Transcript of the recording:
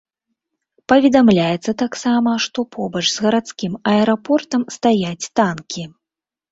Паведамляецца таксама, што побач з гарадскім аэрапортам стаяць танкі.